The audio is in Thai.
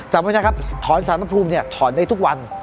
จำไว้นะครับถอนสารพระภูมิถอนได้ทุกวัน